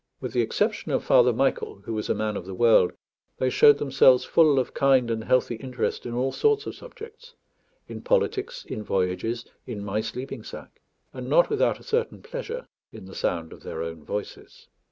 With the exception of Father Michael, who was a man of the world, they showed themselves full of kind and healthy interest in all sorts of subjects in politics, in voyages, in my sleeping sack and not without a certain pleasure in the sound of their own voices.